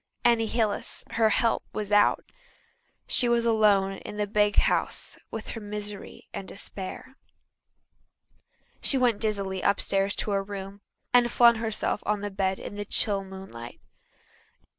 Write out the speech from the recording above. Annie Hillis, her "help," was out. She was alone in the big house with her misery and despair. She went dizzily upstairs to her own room and flung herself on the bed in the chill moonlight.